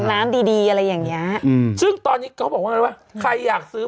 น้ำดีอะไรอย่างนี้ซึ่งตอนนี้ก็บอกว่าใครอยากซื้อ